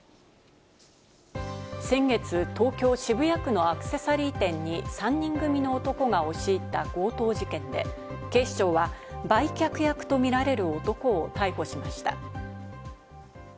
先月、東京・渋谷区のアクセサリー店に３人組の男が押し入った強盗事件で、警視庁は売却役とみられる男を逮捕しました。